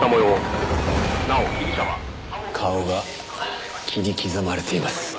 顔が切り刻まれています。